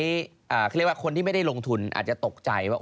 เขาเรียกว่าคนที่ไม่ได้ลงทุนอาจจะตกใจว่า